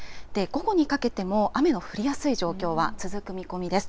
午後にかけても雨の降りやすい状況は続く見込みです。